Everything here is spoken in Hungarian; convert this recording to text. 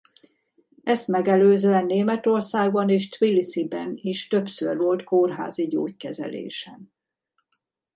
Ezt megelőzően Németországban és Tbilisziben is többször volt kórházi gyógykezelésen.